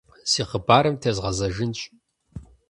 Си хъыбарым тезгъэзэжынщ.